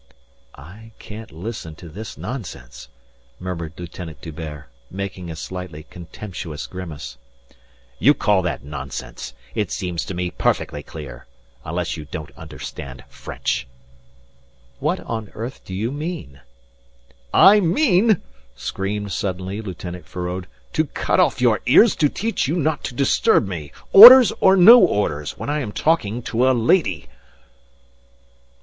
"I can't listen to this nonsense," murmured Lieutenant D'Hubert, making a slightly contemptuous grimace. "You call that nonsense. It seems to me perfectly clear. Unless you don't understand French." "What on earth do you mean?" "I mean," screamed suddenly Lieutenant Feraud, "to cut off your ears to teach you not to disturb me, orders or no orders, when I am talking to a lady."